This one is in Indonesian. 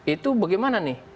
itu bagaimana nih